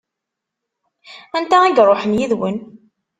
Anta i iṛuḥen yid-wen?